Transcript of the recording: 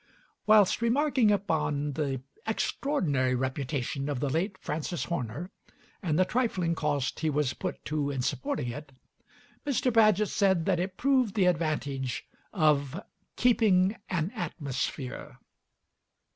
Whilst remarking upon the extraordinary reputation of the late Francis Horner and the trifling cost he was put to in supporting it, Mr. Bagehot said that it proved the advantage of "keeping an atmosphere."